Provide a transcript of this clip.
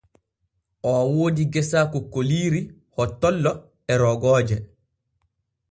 Oo woodi gesa kokkoliiri, hottollo e roogooje.